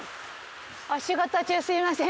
お仕事中すみません。